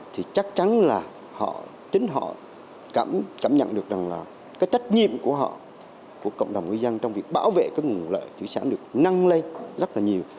thì chắc chắn là họ chính họ cảm nhận được rằng là cái trách nhiệm của họ của cộng đồng người dân trong việc bảo vệ cái nguồn lợi thủy sản được năng lên rất là nhiều